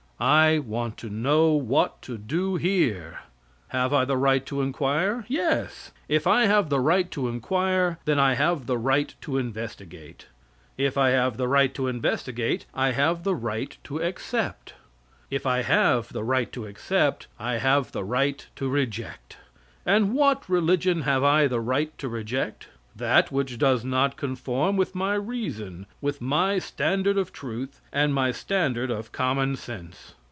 I want to know what to do here. Have I the right to inquire? Yes. If I have the right to inquire, then I have the right to investigate. If I have the right to investigate, I have the right to accept. If I have the right to accept, I have the right to reject. And what religion have I the right to reject? That which does not conform with my reason, with my standard of truth, with my standard of common sense.